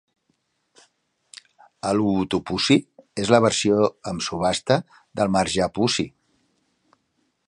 El huutopussi és la versió amb subhasta del marjapussi.